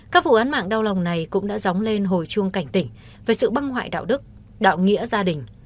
các vụ án mạng đau lòng này cũng đã dóng lên hồi chuông cảnh tỉnh về sự băng hoại đạo đức đạo nghĩa gia đình